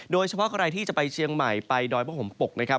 โดยเฉพาะใครที่จะไปเชียงใหม่ไปดอยพระห่มปกนะครับ